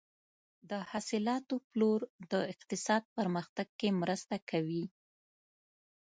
د حاصلاتو پلور د اقتصاد پرمختګ کې مرسته کوي.